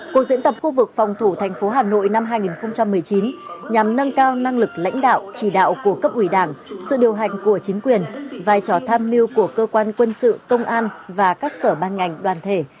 cuộc diễn tập khu vực phòng thủ thành phố hà nội năm hai nghìn một mươi chín nhằm nâng cao năng lực lãnh đạo chỉ đạo của cấp ủy đảng sự điều hành của chính quyền vai trò tham mưu của cơ quan quân sự công an và các sở ban ngành đoàn thể